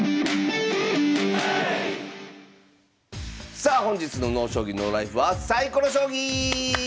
さあ本日の「ＮＯ将棋ＮＯＬＩＦＥ」は「サイコロ将棋」！